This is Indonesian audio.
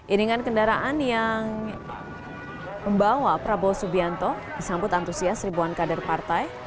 iringan kendaraan yang membawa prabowo subianto disambut antusias ribuan kader partai